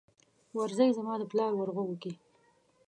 ورځې زما دپلار ورغوو کې